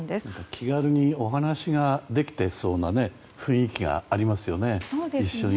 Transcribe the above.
気軽にお話ができてそうな雰囲気がありますね。